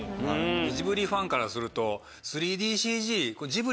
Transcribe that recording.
ジブリファンからすると。